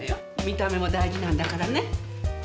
見た目も大事なんだからね